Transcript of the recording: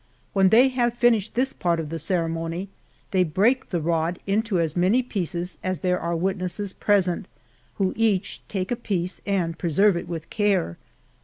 When they have finished this part of the ceremony, they break the rod into as many pieces as there are witnesses present, who each take a piece and presci vj i : with care.